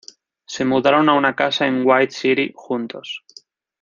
Se mudaron a una casa en White City juntos.